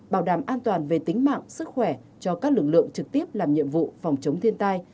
bảo đảm an toàn về tính mạng sức khỏe cho các lực lượng trực tiếp làm nhiệm vụ phòng chống thiên tai